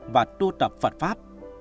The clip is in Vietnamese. và tu tập phật pháp